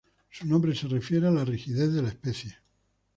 Su nombre se refiere a la rigidez de la especie.